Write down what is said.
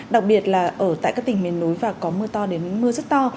đặc biệt là ở tại các tỉnh miền núi và có mưa to đến mưa rất to